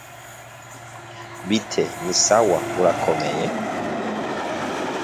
Guiney was born in Riverview, Michigan.